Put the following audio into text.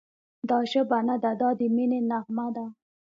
دا ژبه نه ده، دا د مینې نغمه ده»